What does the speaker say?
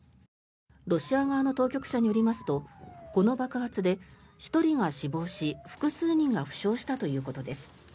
ロシア側の当局者によりますとこの爆発で１人が死亡し複数人が負傷したということです。